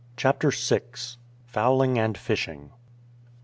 CHAPTER VI. FOWLING AND FISHING.